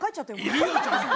いるよ、ちゃんと。